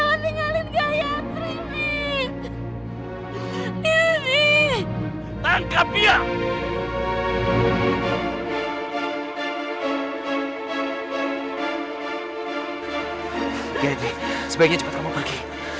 gedi sebaiknya cepat kamu pergi